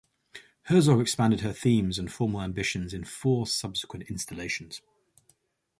Herzog expanded her themes and formal ambitions in four subsequent installations.